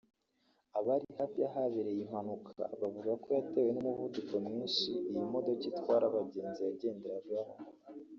Abari hafi y'ahabereye iyi mpanuka bavuga yatewe n’umuvuduko mwinshi iyi modoka itwara abagenzi yagenderagaho